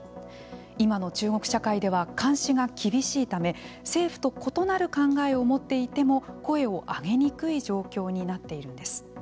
今の中国社会では監視が厳しいため政府と異なる考えを持っていても声を上げにくい状況になっているんです。